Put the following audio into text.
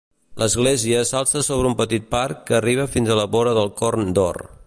L'església s'alça sobre un petit parc que arriba fins a la vora del Corn d'Or.